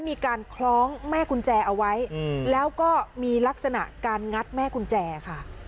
มีการคล้องแม่กุญแจเอาไว้แล้วก็มีลักษณะการงัดแม่กุญแจค่ะ